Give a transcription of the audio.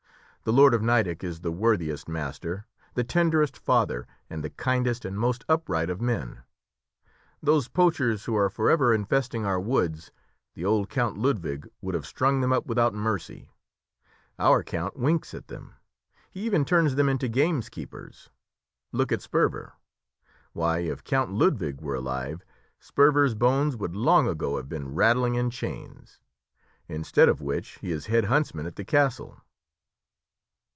The lord of Nideck is the worthiest master, the tenderest father, and the kindest and most upright of men. Those poachers who are for ever infesting our woods, the old Count Ludwig would have strung them up without mercy; our count winks at them; he even turns them into gamekeepers. Look at Sperver! why, if Count Ludwig was alive, Sperver's bones would long ago have been rattling in chains; instead of which he is head huntsman at the castle."